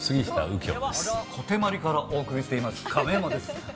こてまりからお送りしています亀山です。